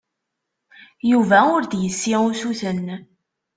Yuba ur d-yessi usuten.